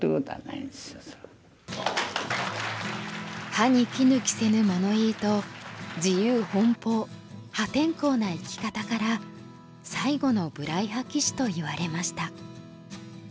歯に衣着せぬ物言いと自由奔放破天荒な生き方から最後の無頼派棋士といわれました。